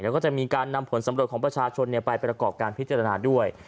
แล้วก็จะมีการนำผลสำรวจของประชาชนไปประกอบการพิจารณาด้วย